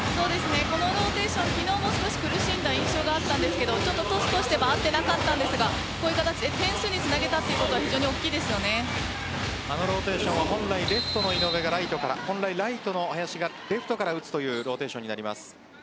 このローテーション昨日も少し苦しんだ印象があったんですがちょっとトスとしても合っていなかったんですがこういう形で点数につなげたのはあのローテーションは本来、レフトの井上がライトからライトの林がレフトから打つというローテーションになります。